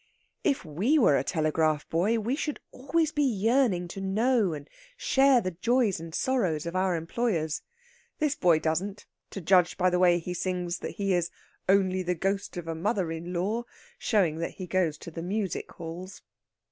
If we were a telegraph boy, we should always be yearning to know and share the joys and sorrows of our employers. This boy doesn't, to judge by the way he sings that he is "Only the Ghost of a Mother in law," showing that he goes to the music halls.